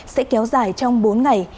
sẽ kéo dài trong bốn ngày